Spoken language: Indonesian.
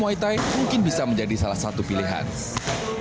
jadi kalau kamu mau berlatih kamu harus berlatih